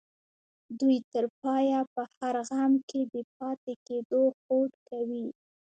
دوی تر پايه په هر غم کې د پاتې کېدو هوډ کوي.